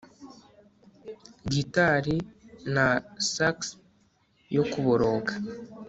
Guitari na sax yo kuboroga